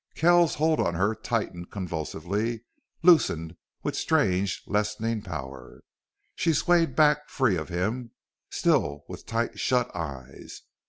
Kells's hold on her tightened convulsively, loosened with strange, lessening power. She swayed back free of him, still with tight shut eyes.